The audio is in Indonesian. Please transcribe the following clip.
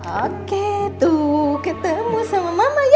oke tuh ketemu sama mama ya